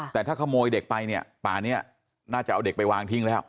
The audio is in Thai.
แต่ถ้าขโมยเด็กไปเนี่ยป่านี้น่าจะเอาเด็กไปวางทิ้งแล้ว